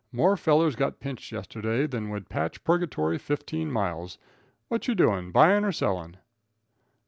More fellers got pinched yesterday than would patch purgatory fifteen miles. What you doing, buying or selling?"